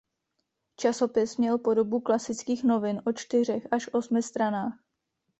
Časopis měl podobu klasických novin o čtyřech až osmi stranách.